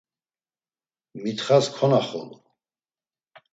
Mitxas konaxolu.